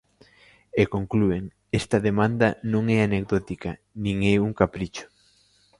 E conclúen: Esta demanda non é anecdótica nin é un capricho.